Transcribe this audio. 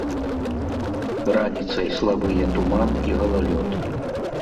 Раніцай слабыя туман і галалёд.